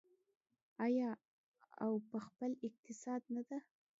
آیا او په خپل اقتصاد نه ده؟